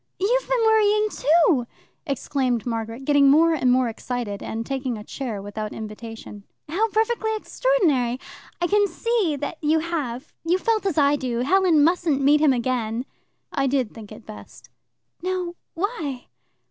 "You've been worrying too!" exclaimed Margaret, getting more and more excited, and taking a chair without invitation. "How perfectly extraordinary! I can see that you have. You felt as I do; Helen mustn't meet him again." "I did think it best." "Now why?"